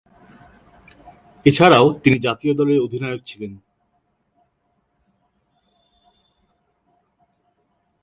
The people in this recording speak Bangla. এছাড়াও তিনি জাতীয় দলের অধিনায়ক ছিলেন।